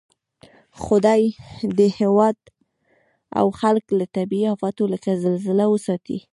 خدای دې هېواد او خلک له طبعي آفتو لکه زلزله وساتئ